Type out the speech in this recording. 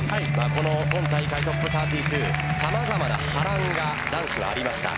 この今大会、ＴＯＰ３２さまざまな波乱が男子はありました。